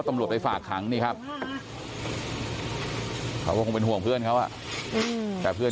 ตำรวจไปฝากขังนี่ครับเขาก็คงเป็นห่วงเพื่อนเขาอ่ะแต่เพื่อน